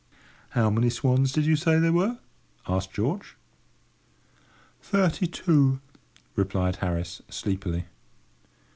"How many swans did you say there were?" asked George. "Thirty two," replied Harris, sleepily.